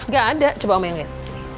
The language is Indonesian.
gak ada coba om melihat